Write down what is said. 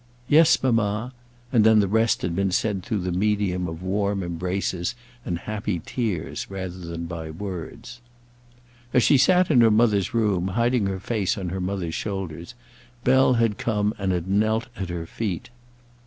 "Yes, mamma." And then the rest had been said through the medium of warm embraces and happy tears rather than by words. As she sat in her mother's room, hiding her face on her mother's shoulders, Bell had come, and had knelt at her feet.